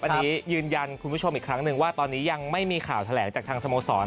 อันนี้ยืนยันคุณผู้ชมอีกครั้งหนึ่งว่าตอนนี้ยังไม่มีข่าวแถลงจากทางสโมสร